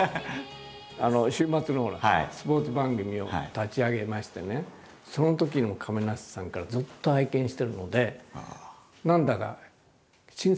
週末のスポーツ番組を立ち上げましてねそのときの亀梨さんからずっと拝見してるので何だか親戚のような感じっていうか。